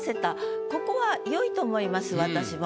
ここは良いと思います私も。